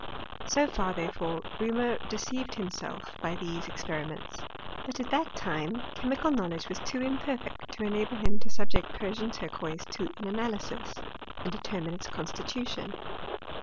So far, therefore, Reaumur deceived himself by these experiments; but at that time chemical knowledge was too imperfect to enable him to subject Persian turquoise to an analysis, and determine its constitution.